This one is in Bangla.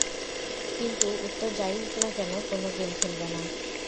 কিন্তু উত্তর যাই হোক না কেন, কোনো গেম খেলবে না!